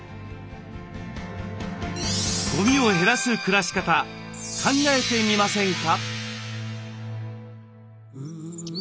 ゴミを減らす暮らし方考えてみませんか？